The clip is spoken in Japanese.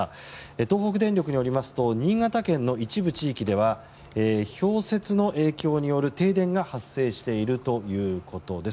東北電力によりますと新潟県の一部地域では氷雪の影響による停電が発生しているということです。